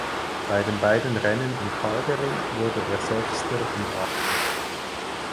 Bei den beiden Rennen in Calgary wurde er Sechster und Achter.